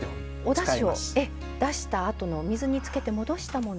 おだしを出したあとの水につけて戻したもの。